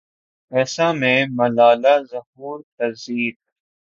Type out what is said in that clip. اَیسا میں ملالہ ظہور پزیر